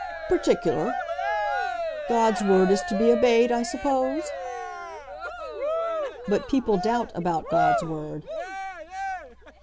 "Particular! God's word is to be obeyed, I suppose?" "But people doubt about God's word."